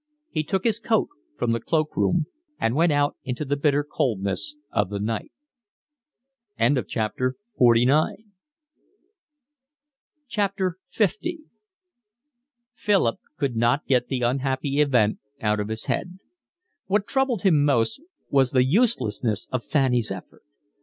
He took his coat from the cloak room and went out into the bitter coldness of the night. L Philip could not get the unhappy event out of his head. What troubled him most was the uselessness of Fanny's effort.